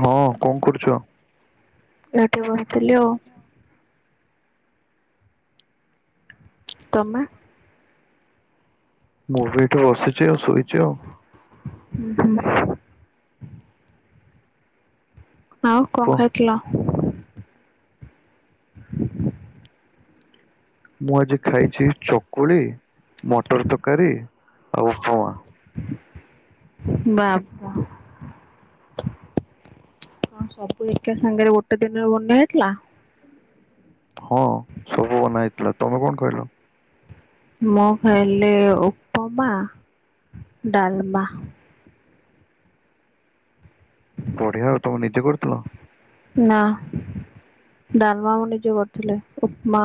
ହଁ କଣ କରୁଛ? ଏଠି ବସିଥିଲି ଆଉ। ତମା। ମୁଭିଏଠି ବସିଛି ଆଉ ଶୋଇଛି ଆଉ। ଉଁ ହୁଁ। ଆଉ କଣ କୁହ ଖାଇଥିଲ? [inaudible] ମୁଁ ଆଜି ଖାଇଛି ଚକୁଳି ମଟର ତରକାରୀ ଆଉ ଉପମା। ବା ବା କଣ ସବୁ ଏକା ସାଙ୍ଗରେ ଗୋଟେ ଦିନରେ ବନା ହେଇଥିଲା। ହଁ ସବୁ ବନା ହେଇଥିଲା। ତମେ କଣ ଖାଇଲ? ମୁଁ ଖାଇଲି ଉପମା, ଡାଲମା। ବଢିଆ ଆଉ ତମେ ନିଜେ କରିଥିଲ? ନା ଡାଲମା ମୁଁ ନିଜେ କରିଥିଲି। ଉପମା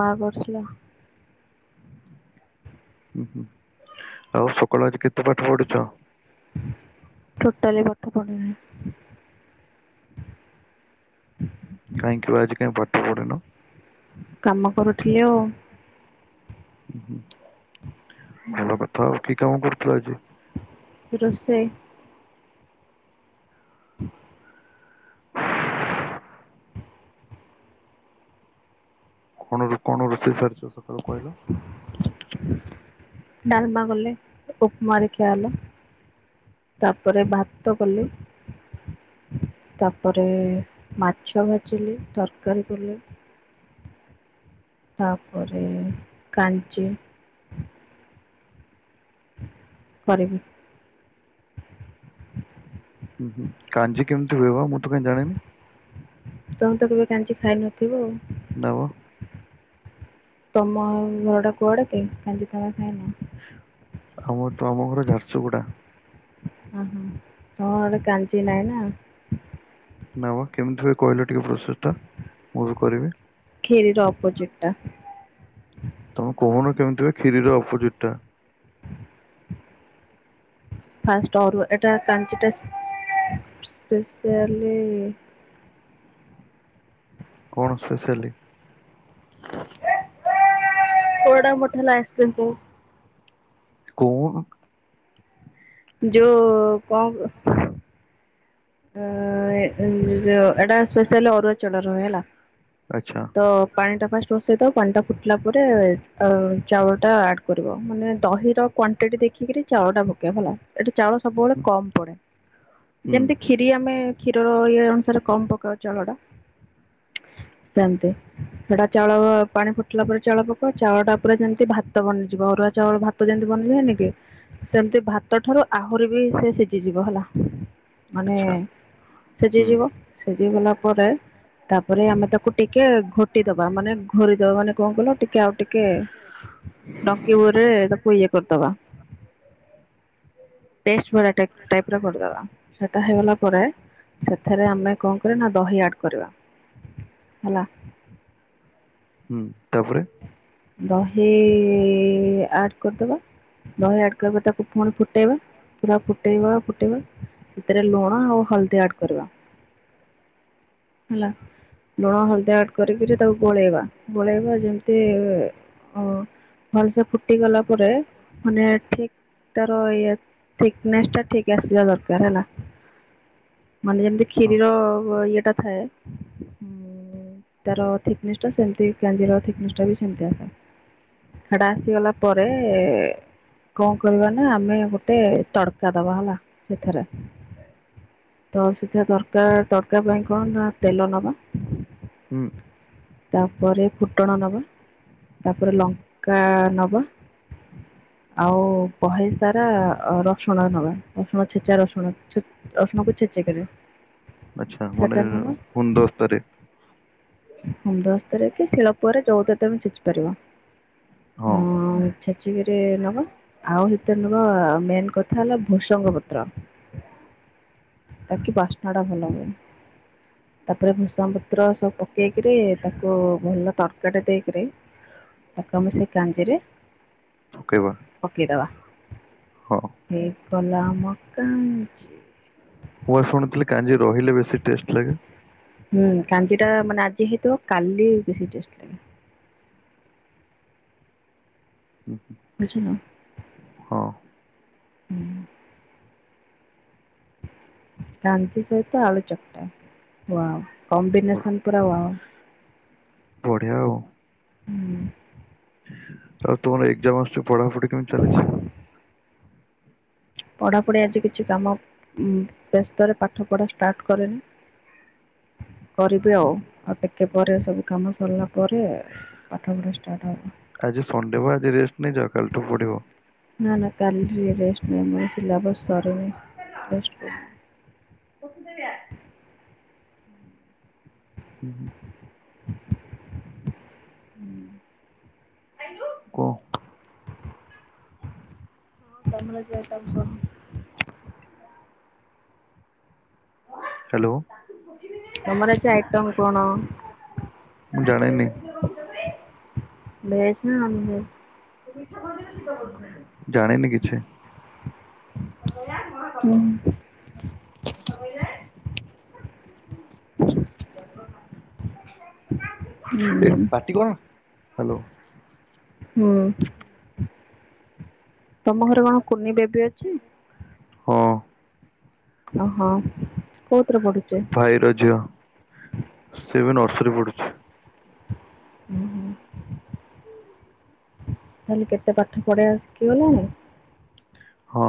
ମା କରିଥିଲେ। ହୁଁ ହୁଁ ଆଉ ସକାଳୁ ଆଜି କେତେ ପାଠ ପଢୁଛ? ଟୋଟାଲି ପାଠ ପଢିନି କାହିଁକି ତୁ ଆଜି କାଇଁ ପାଠ ପଢିନ। କାମ କରୁଥିଲି ଆଉ। ହୁଁ ହୁଁ। ଭଲ କଥା ଆଉ କି କାମ କରୁଛୁ। ତୁ ଆଜି। ରୋଷେଇ। କଣରୁ କଅଣ ରୋଷେଇ ସାରିଛ ସବୁ? କଣ କହିଲ। ଡାଲମା କଲେ ଉପମାର ଖିଆ ହେଲା ତାପରେ ଭାତ କଲି ତାପରେ ମାଛ ଭାଜିଲି ତରକାରୀ କଲି। ତାପରେ କାଞ୍ଜି କରିବି। ହୁଁ ହୁଁ କାଞ୍ଜି କେମିତି ହୁଏ ମୁଁ? ତ କାଇଁ ଜାଣିନି। ତମେ ତ କେବେ କାଞ୍ଜି ଖାଇନଥିବ ଆଉ। ନା ମ ତମ ଘର ଟା କୁଆଡେ କି କାଞ୍ଜି ତମେ ଖାଇନ? ଆମର ତ ଆମ ଘର ଝାରସୁଗୁଡା। ଓ ହୋ ତମ ଆଡେ କାଞ୍ଜି ନାହିଁ ନା। ନାଁ ମ କେମିତି ହୁଏ କହିଲ ଟିକେ। ପ୍ରୋସେସ ଟା ମୁଁ ବି କରିବି। ଖିରି ର ଅପଜିଟି ଟା। ତମେ କହୁନ କେମିତି ହୁଏ କ୍ଷୀରିର ଅପୋଜିଟ ଟା। ଫାଷ୍ଟ ଅରୁଆ ଏଟା କାଞ୍ଜି ଟା ସ୍ପେସିଆଲି। କଣ ସ୍ପେସିଆଲି? ପୋଡ଼ ମୋଠାଲା ଆଇସିକ୍ରିମ କୁ। କଁ ଉଁ। ଯୋଉ କଣ ଆ ଇ ଏଟା ସ୍ପେସିଆଲି ଅରୁଆ ଚାଉଳ ରେ ହୁଏ। ଆଚ୍ଛା ତ ପାଣି ଟା। ଫାଷ୍ଟ ରୋଷେଇଦ ପାଣିଟା ଫୁଟିଲା ପରେ ଚାଉଳଟା ଆଡ଼୍ କରିବ ମାନେ ଦହିର କ୍ୱାଣ୍ଟି ଦେଖିକିରି ଚାଉଳଟା ପକେଇବ ହେଲା। ଏଠି ଚାଉଳ ସବୁବେଳେ ହୁଁ କମ ପଡେ ହୁଁ, ଯେମିତି। କ୍ଷୀରି ଆମେ କ୍ଷୀରର ଇଏ ଅନୁସାରେ କମ। ଚାଉଳ ଟା ସେମତି ସେଟା ଚାଉଳ ପାଣି ଫୁଟିଲା ପରେ ଚାଉଳ ପକାଉ ଚାଉଳ ଟା ପୁରା ଯେମତି ଭାତ ବନିଯିବ ଅରୁଆ ଚାଉଳ ଭାତ ଯେମିତି ବନିଯିବନି କି ସେମିତି ଭାତ ଠାରୁ ଆହୁରି ବି ସେ ସିଝିଯିବ ହେଲା। ମାନେ ଆଚ୍ଛା ହୁଁ ସିଝିଯିବ ସିଝିଗଲା ପରେ ତାପରେ ଆମେ ତାକୁ ଟିକେ ଘୋଟି ଦବା ମାନେ ଘୋରିଦବା ମାନେ କଣ କହିଲ ଟିକେ ଆଉ ଟିକେ ଡଙ୍କିିବରେ ତାକୁ ଇଏ କରିଦେବା ପେଷ୍ଟ ଭଳିଆ ଟା ଟାଇପ୍ର କରିଦେବା। ସେଟା ହେଇଗଲା ପରେ ସେଥିରେ ଆମେ କଣ କରିବା ନା ଦହି ଆଡ କରିବା ହେଲା। ହୁଁ ତାପରେ ଦହି ଆଡ କରିଦବା ଦହି ଆଡ କରିବା ତାକୁ ଫୁଣି ଫୁଟା। ବା ପୁରା ଫୁଟେଇବା ଫୁଟେଇବା ସେଥିରେ ଲୁଣ ଆଉ ହଳଦୀ ଆଡ କରିବା ହେଲା ଲୁଣ ହଲ ଦ୍ୟାଟ୍ କରିକିରି ତାକୁ ଗୋଳେଇବା ଗୋଳେଇବା ଯେମିତି ଓ ଭଲ ସେ ଫୁଟି ଗଲା ପରେ ମାନେ ଠିକ ତାର ଇଏ ଥିକ୍ ନେସ୍ ଟା ଠିକ୍ ଆସିବା ଦରକାର। ହେଲା ମାନେ ଯେମିତି ହଁ କ୍ଷିରୀର ଇଏ ଟା ଥାଏ। ତାର ଥିକନେସ୍ ଟା ସେମତି କାଞ୍ଜିର ଥିକନେସ୍ ଟା ବି ସେମତିଆ। ହାଡ଼ା ଆସିଗଲା ପରେ କଣ କରିବା ନା ଆମେ ଗୋଟେ ତଡ଼କା ଦବା ହେଲା ସେଥିରେ ତ ସେଥିରେ ତରକା ତଡ଼କା ପାଇଁ କଣ ନା ତେଲ ନବା ହୁଁ ତାପରେ ଫୁଟଣ ନବା ତାପରେ ଲଙ୍କା ନ ଆଉ ବହେ ସାରା ରସୁଣ ନବା ରସୁଣ ଛେଚା ରସୁଣ ରସୁଣକୁ ଛେଚେ କିରି ଆଚ୍ଛା ମାନେ ସେଟା ନବା। ଗୁଣ୍ଡସ୍ତରେ ହେମନ୍ଦସ୍ତରେ କି ଶିଳପୁଆରେ ଯଉ ତମେ ଛେଚୁ କରିବ। ହଁ ଛେଚିବି। ରେ ନବା ଆଉ ସେତରେ ମେନ୍ କଥା ହେଲା ଭୁସଙ୍ଗ ପତ୍ର ତାକି ବାସ୍ନା ଟା ଭଲ ହୁଏ। ତାପରେ ଭୁସଙ୍ଗ ପତ୍ର ସବୁ ପକେଇ କିରି ତାକୁ ଭଲ ତରକାରୀ ଟା ଦେଇ କିରି। ପକା ମ ସେ କାଞ୍ଜିରେ ପକେଇବା ପକେଇ ଦେବା। ହଁ। ପଲା ମକା ଛି ମୁଁ ଶୁଣିୁଥିଲି କାଞ୍ଜି ରହିଲେ ବେଶ ଟଷ୍ଟ ଲାଗେ। ହୁଁ କାଞ୍ଜିୁ ଟା ମାନେ ଆଜି ହତୁ କାଲି ବେଶୀ ଟେଷ୍ଟ ଲାଗେ। ହୁଁ। ବୁଝିଲ। ହଁ। ହୁଁ। କାଞ୍ଚି ସହିତ ଆଲୁ ଚକଟା ୱାଓ। କମ୍ବିନେସନ୍ ପୁରା ୱାଓ। ବଢ଼ିଆ ଆଉ। ହୁଁ ଆଉ ତୁମର ଏଗଜାମ୍ ଆସୁଚ ପଢାପଢି କେମିତି ଚାଲିଛି। ପଢାପଢ଼ି ଆଜି କିଛି କାମ ବ୍ୟସ୍ତରେ ପାଠ ପଢା ଷ୍ଟାର୍ଟ କରେନି। କରିବି ଆଉ ଆଉ ଟିକେ। ଘରେ ସବୁ କାମ ସରିଲା। ପରେ ପାଠ ପଢ଼ା ଷ୍ଟାର୍ଟ ହେବ ଆଜି ସନଡେ ବା ଆଜି ରେଷ୍ଟ ନେଇ ଯ କଲିଠୁ ପଡି଼ବ। ନା ନା କାଲି ରେଷ୍ଟ ମୁ ସିଲବସ୍ ସରିନି। [inaudible] ହୁଁ ହୁଁ। ହୁଁ। କୁହ [unintelligible] ହ୍ୟାଲୋ। ତମର ଆଜି ଆଇଟମ୍ କଣ? ମୁଁ ଜାଣିନି ଭେଜ ନା ନନ୍ ଭେଜ? ଜାଣିନି କିଛି ହୁଁ [inaudible] ଏ ହୁଁ ପାଟି କଣ? ହାଲୋ ହୁଁ ତମ ଘରେ କଣ କୁନି ଵେବି ଅଛି? [inaudible] ହଁ ଓହୋ। କୋଉଥିରେ ପଢୁଛି? ଭାଇର ଝିଅ। ସେ ଏବେ ନର୍ସରୀ ପଢୁ ହୁଁ ତାହେଲେ କେତେ ପାଠ ପଢେଇ ବା ଶିଖି ଗଲୁଣୀ ହଁ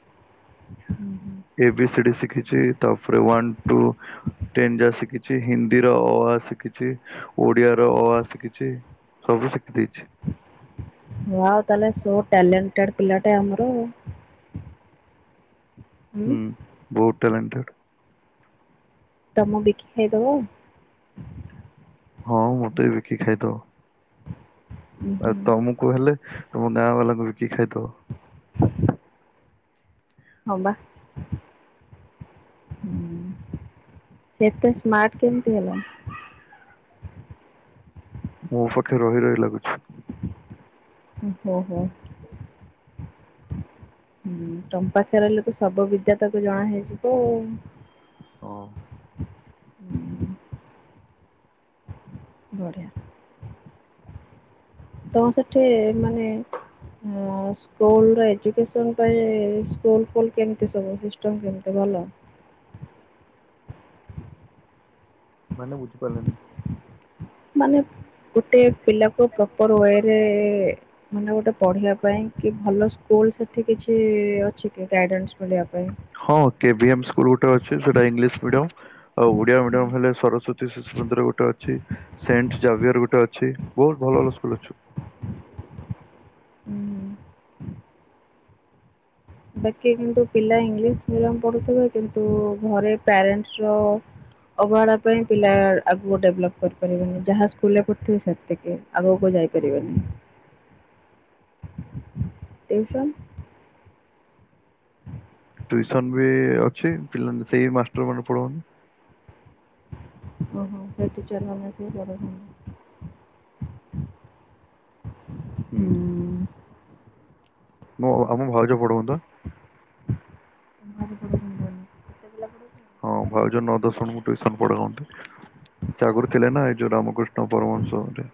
ହୁଁ ଏ ବି ସି ଡି ଶିଖିଛି ତାପରେ ୱାନ୍, ଟୁ, ଟେନ୍ ଯାଏ ଶିଖିଛି। ହିନ୍ଦୀ ର ଅ ଆ ଶିଖିଛି। ଓଡ଼ିଆ ର ଅ ଆ ଶିଖିଛି। ସବୁ ଶିଖି ଦେଇଛି। ହଁ ଆଉ ତାହେଲେ ସୋ ଟ୍ୟାଲେଣ୍ଟେଡ୍ ପିଲାଟେ ଆମର। ହୁଁ ବୋହୁତ୍ ଟାଲେଣ୍ଟଡ୍ ତମ ବିକି ଖାଇଦବ ହଁ ମୋତେ ବିକି ଖାଇଦଵ। ଉଁ ହୁଁ ଆଉ ତମକୁ ହେଲେ ତମ ଗାଁ ବାଲାଙ୍କୁ ବିିକି ଖାଇଦବ। ହବା, ସେଏତେ ସ୍ମାର୍ଟ କେମିତି ହେଲା? ମୋ ପାଖେ ରହି ରହି ଲାଗୁଛି ହୋ ହୋ ହୁଁ ତମ ପାଖରେ ରହିଲେ ତ ସବୁ ବିଦ୍ୟା ତାକୁ ଜଣା ହେଇ ଯିବ। ହଁ ବଢିଆ ତ ସେଠି ମାନେ ହଁ ସ୍କୁଲ୍ ର ଏଜୁକେଶନ୍ ପାଇଁ ସ୍କୁଲ୍, ଫୁଲ୍ କେମିତି ସବୁ ସିଷ୍ଟମ୍ କେମିତି ଭଲ? ମାନେ ବୁଝିପାରିଲାନି? ମାନେ? ଗୋଟେ ପିଲାକୁ ପ୍ରପର ୱେରେ ମାନେ ଗୋଟେ ପଢିବା ପାଇଁ କି ଭଲ ସ୍କୁଲ ସେଠି କିଛି ଅଛି? ଠିକରେ ଗାଇଡାନ୍ସ ବନେଇବା ପାଇଁ ହଁ କେ ଏ ସ୍କୁଲ ଗୋଟେ ଅଛି ସେଟା ଇଂଲିଶ ମିଡିୟମ ଆଉ ଓଡିଆ ହୁଁ ମିଡିୟମ ହେଲେ ସରସ୍ଵତୀ ଶିଶୁ ମନ୍ଦିର ଗୋଟେ ଅଛି, ସେଣ୍ଟ ଜାଭିୟର ଗୋଟେ ଅଛି, ବହୁତ ଭଲ ଭଲ ସ୍କୁଲ ଅଛି। ହୁଁ। ବାକି କିନ୍ତୁ ପିଲା ଇଂଲିଶ ମିଡିୟମ ପଢୁଥିବେ କିନ୍ତୁ ଘରେ ପ୍ୟାରେଣ୍ଟସ ର ଅବହେଳା ପାଇଁ ପିଲା ଆଗକୁ ଡେଭଲପ୍ କରିପାରିବେନି ଯାହା ସ୍କୁଲରେ ପଢୁଥିବେ ସେତିକି ଆଗକୁ ଯାଇପାରିବନି ଟିୟୁସନ୍ ଟିୟୁସନ୍ ବି ଅଛି ପିଲାଙ୍କୁ ସେଇ ମାଷ୍ଟର୍ ମାନେ ପଢ଼ଉ [unintelligible] ହୁଁ ମୁ ଆମ ଘରେ ପଢୁଅନ୍ତା [unintelligible] ହଁ ଭାଉଜ ନଅ ଦଶଣଙ୍କୁସନ ପଢନ୍ତି। ସାଗର ଥିଲେ ନା ଏଇ ଯୋଉ ରାମ। କୃଷ୍ଣପରମା ସହୁରେ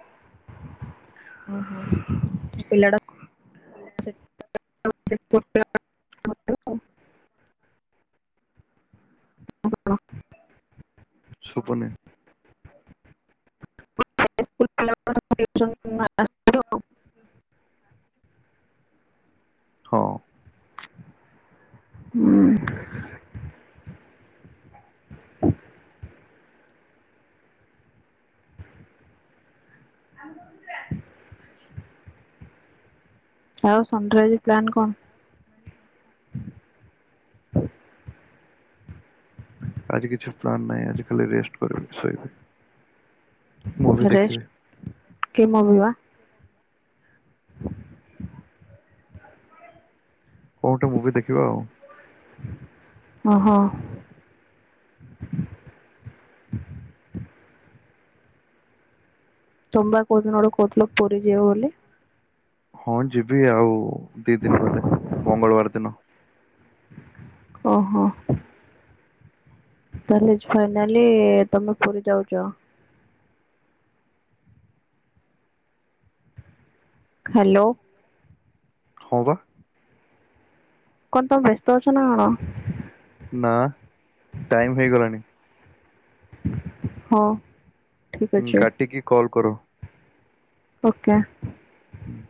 ଓ ହୋ ପିଲା [unintelligible] ହ ସୁବୁନି, ସ୍ ଖ ଟିସନ ଆ ହଁ ହୁଁ ଆମ ଆଉ ସନାଇଜ ପ୍ଲାନ କଣ ଆଜି କିଛି ପ୍ାନ ନାହିଁ ଆଜି ଖାଲି ରେଷ୍ଟ କରିବି ଶୋଇବି ମୁଁ ବି ଦେଖିବି କେମ ଅବିବା କଉଠେ ମୁଭି ଦେଖିବା ଆଉ ଓହୋ ତବାା କହୁଦ ନୋଡ କହୁଥିଲଥିଲ ପରି ଯବ ବୋଲି ହଁ ଯିବି ଆଉ ଦି ଦିନ ଗଲେ ମଙ୍ଗଳବାର ନ ଓ ହୋ ତାହେ ଫାଇନାଲି ତମେ ପୁରୀ ଯାଉଛ ହ୍ୟାଲୋ ହଉ ତ କନ୍ତ ବ୍ୟସ୍ତୋଚନା କଣ ନା ଟାଇମ ହେଇଗଲାଣି ହଁ ଠିକ ହୁଁ ଅଛି କାଟିକି କଲ୍ କର ଓକେ ହୁଁ